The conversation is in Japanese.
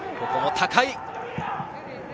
ここも高い。